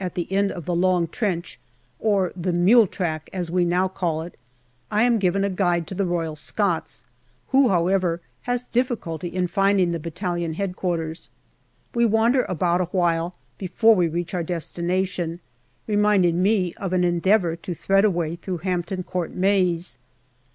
at the end of the long trench or the mule track, as we now call it I am given a guide of the Royal Scots, who, however, has difficulty in finding the battalion H.Q. We wander about awhile before we reach our destination, reminding me of an endeavour to thread a way through Hampton Court maze.